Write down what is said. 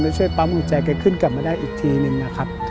ช่วยปั๊มหัวใจแกขึ้นกลับมาได้อีกทีนึงนะครับ